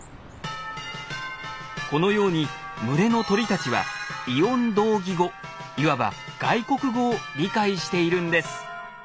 このように群れの鳥たちは異音同義語いわば外国語を理解しているんです。